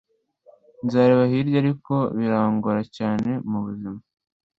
Nzareba hirya ariko birangora cyane mubuzima